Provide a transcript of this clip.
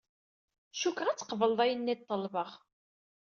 Ckuh ad tqebled ayenni ṭelbeɣ.